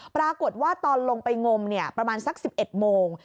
ปรากฏว่าตอนลงไปงมประมาณสัก๑๑โมง